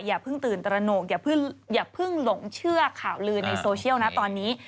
อย่าเพิ่งตื่นตระหนกอย่าเพิ่งหลงเชื่อข่าวลือในโซเชียลนะตอนนี้